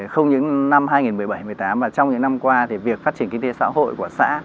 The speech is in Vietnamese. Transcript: không những năm hai nghìn một mươi bảy một mươi tám mà trong những năm qua thì việc phát triển kinh tế xã hội của xã